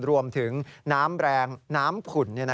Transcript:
รวมถึงน้ำแรงน้ำขุ่น